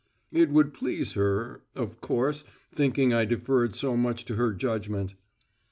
"It would please her, of course thinking I deferred so much to her judgment."